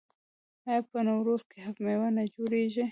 آیا په نوروز کې هفت میوه نه جوړیږي؟